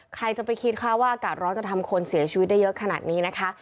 ใครจะไปคิดคะว่าอากาศร้อนจะทำคนเสียชีวิตได้เยอะขนาดนี้นะคะ